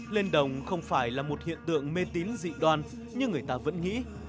lên đồng không phải là một hiện tượng mê tín dị đoan như người ta vẫn nghĩ